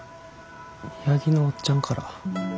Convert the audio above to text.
八木のおっちゃんから。